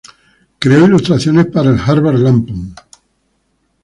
Creó ilustraciones para el Harvard Lampoon.